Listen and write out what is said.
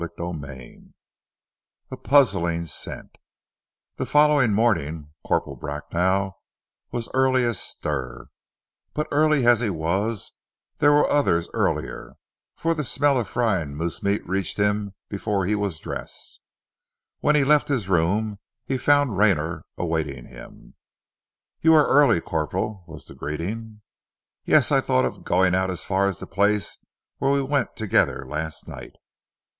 CHAPTER IV A PUZZLING SCENT THE following morning Corporal Bracknell was early astir, but early as he was there were others earlier, for the smell of frying moose meat reached him before he was dressed. When he left his room he found Rayner awaiting him. "You are early, Corporal," was the greeting. "Yes, I thought of going out as far as the place where we went together last night."